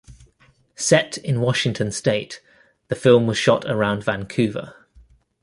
Set in Washington state, the film was shot around Vancouver.